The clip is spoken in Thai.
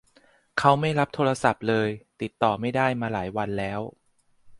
เขาไม่รับโทรศัพท์เลย ติดต่อไม่ได้มาหลายวันแล้ว